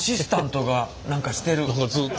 何かずっと。